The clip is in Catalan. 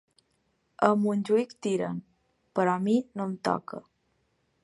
A Montjuïc tiren, però a mi no em toca.